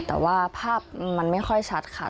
แต่ว่าภาพมันไม่ค่อยชัดค่ะ